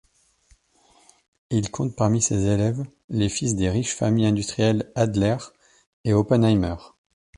Il compte parmi ses élèves les fils des riches familles industrielles Adler et Oppenheimer.